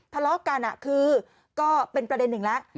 ทะเลาะกันคือก็เป็นประเด็นหนึ่งแล้ว